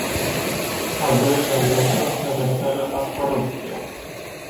Al doilea lucru se referă la corupție.